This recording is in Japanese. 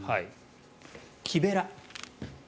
木べら。